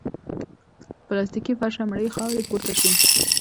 له پلاستيکي فرشه مړې خاورې پورته شوې.